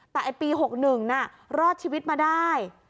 แต่ไอ้ปี๖๑รอดชีวิตมาได้